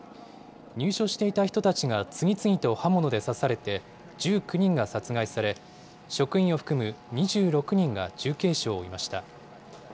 入所していた人たちが次々と刃物で刺されて、１９人が殺害され、職員を含む２６人が重軽傷を負いました。